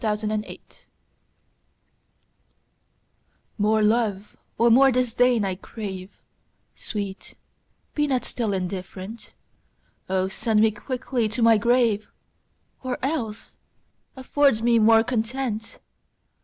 Against Indifference MORE love or more disdain I crave; Sweet, be not still indifferent: O send me quickly to my grave, Or else afford me more content!